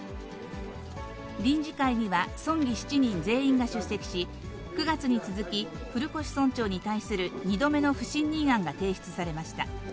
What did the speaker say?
臨時会には、村議７人全員が出席し、９月に続き、古越村長に対する２度目の不信任案が提出されました。